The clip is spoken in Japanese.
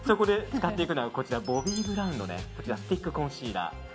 使っていくのがボビーブラウンのスティックコンシーラー。